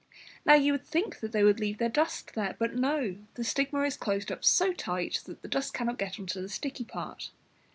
Now you would think they would leave their dust there. But no! the stigma is closed up so tight that the dust cannot get on to the sticky part.